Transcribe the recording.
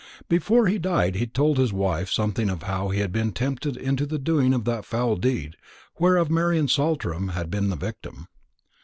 Before he died, he told his wife something of how he had been tempted into the doing of that foul deed whereof Marian Saltram had been the victim.